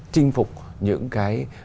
chinh phục những cái